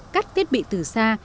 cắt thiết bị từ xa